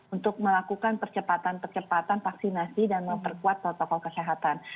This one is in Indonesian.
untuk melakukan percepatan percepatan vaksinasi dan memperkuat protokol kesehatan